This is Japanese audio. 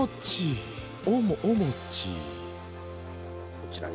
こちらに。